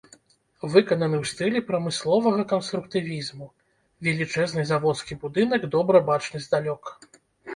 Выкананы ў стылі прамысловага канструктывізму, велічэзны заводскі будынак добра бачны здалёк.